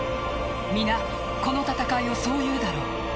皆、この戦いをそう言うだろう。